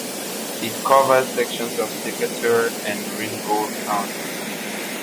It covers sections of Decatur and Ringgold counties.